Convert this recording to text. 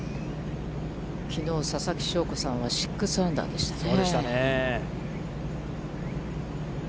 きのう、ささきしょうこさんは６アンダーでしたね。